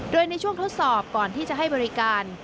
โดยในช่วงทดสอบก่อนที่จะให้บริการ